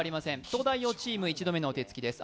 東大王チーム一度目のお手つきです。